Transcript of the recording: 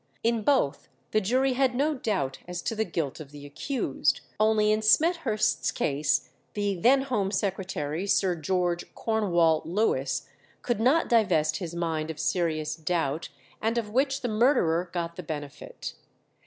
In both the jury had no doubt as to the guilt of the accused, only in Smethurst's case the then Home Secretary, Sir George Cornewall Lewis, could not divest his mind of serious doubt, and of which the murderer got the benefit.